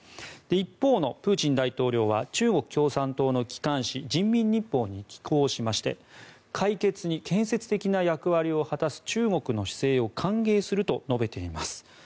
一方のプーチン大統領は中国共産党の機関紙人民日報に寄稿しまして解決に建設的な役割を果たす中国の姿勢を歓迎すると述べています。